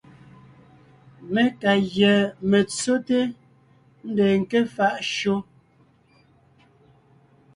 Mé ka gÿá metsóte, ńdeen ńké faʼ shÿó.